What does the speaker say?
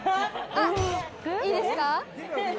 いいですか？